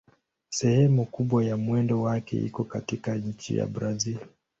Sehemu kubwa ya mwendo wake iko katika nchi ya Brazil.